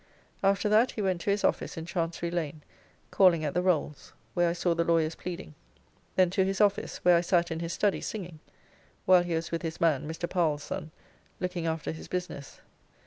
After that he went to his office in Chancery Lane, calling at the Rolls, where I saw the lawyers pleading. Then to his office, where I sat in his study singing, while he was with his man (Mr. Powell's son) looking after his business.